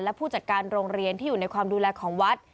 และผู้จัดการโรงเรียนที่อยู่ในความดูแลของวัด